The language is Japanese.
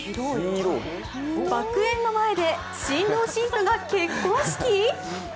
爆園の前で新郎新婦が結婚式？